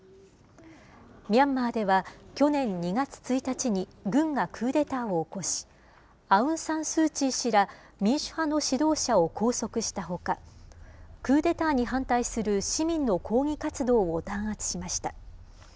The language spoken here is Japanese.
ミャンマーでは、去年２月１日に、軍がクーデターを起こし、アウン・サン・スー・チー氏ら民主派の指導者を拘束したほか、クーデターに反対する市民の抗議活動を弾圧しました。